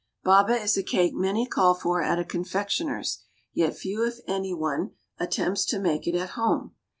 Baba is a cake many call for at a confectioner's, yet few, if any one, attempts to make it at home.